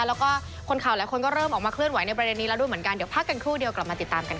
แล้วก็คนข่าวหลายคนก็เริ่มออกมาเคลื่อนไหวในประเด็นนี้แล้วด้วยเหมือนกันเดี๋ยวพักกันครู่เดียวกลับมาติดตามกันค่ะ